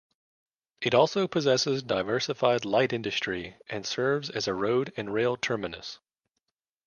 It also possesses diversified light industry and serves as a road and rail terminus.